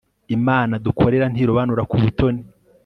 imana dukorera ntirobanura ku butoni